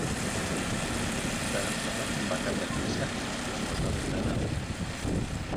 Zarauztarrak bakarlari gisa egin duen bosgarren lana da.